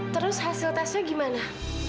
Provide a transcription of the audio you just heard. terus hasil tesnya gimana